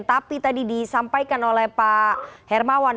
tapi tadi disampaikan oleh pak hermawan